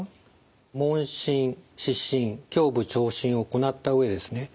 問診視診胸部聴診を行った上ですね